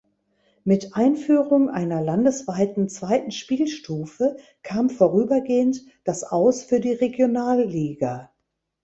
Mit Einführung einer landesweiten zweiten Spielstufe kam vorübergehend das Aus für die Regionalliga.